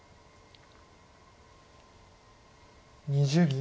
２０秒。